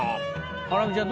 ハラミちゃん